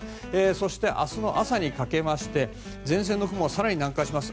そして、明日朝にかけて前線の雲が更に南下します。